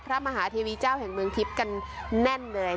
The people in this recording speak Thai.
พระมหาเทวีเจ้าแห่งเมืองทิพย์กันแน่นเลย